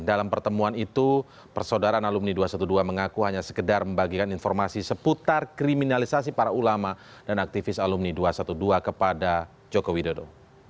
dalam pertemuan itu persaudaraan alumni dua ratus dua belas mengaku hanya sekedar membagikan informasi seputar kriminalisasi para ulama dan aktivis alumni dua ratus dua belas kepada joko widodo